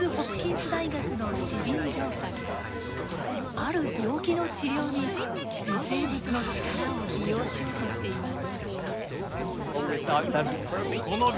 ある病気の治療に微生物の力を利用しようとしています。